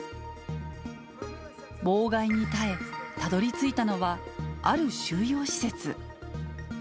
妨害に耐え、たどりついたのは、ある収容施設。